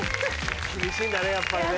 厳しいんだねやっぱりね。